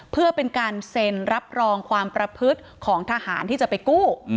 เพื่อเป็นการเซ็นรับรองความประพฤติของทหารที่จะไปกู้